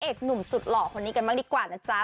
เอกหนุ่มสุดหล่อคนนี้กันดีกว่านักจ๋า